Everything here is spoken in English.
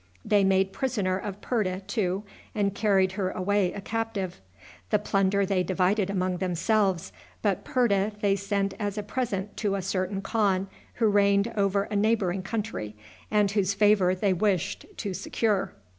They made prisoner of Purta, too, and carried her away a captive. The plunder they divided among themselves, but Purta they sent as a present to a certain khan who reigned over a neighboring country, and whose favor they wished to secure.